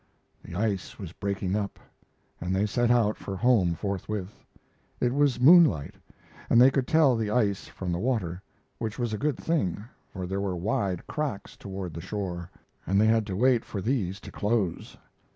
The ice was breaking up, and they set out for home forthwith. It was moonlight, and they could tell the ice from the water, which was a good thing, for there were wide cracks toward the shore, and they had to wait for these to close.